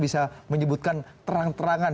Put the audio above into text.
bisa menyebutkan terang terangan